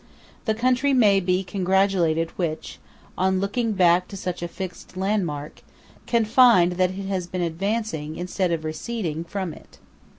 The country may be congratulated which, on looking back to such a fixed landmark, can find that it has been advancing instead of receding from it.